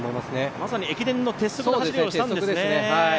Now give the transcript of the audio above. まさに駅伝の鉄則の走りをしたんですね。